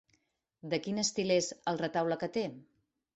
De quin estil és el retaule que té?